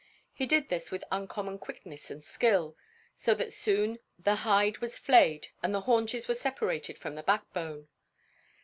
He did this with uncommon quickness and skill, so that soon the hide was flayed and the haunches were separated from the backbone.